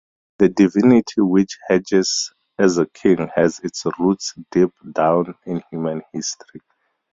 The divinity which hedges a king has its roots deep down in human history.